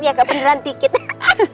kan harus nyampe posisi misi kiceng